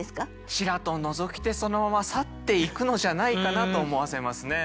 ちらと覗きてそのまま去っていくのじゃないかなと思わせますね。